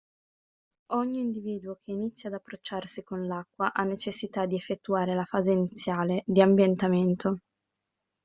Ogni individuo che inizia ad approcciarsi con l'acqua ha necessità di effettuare la fase iniziale, di ambientamento.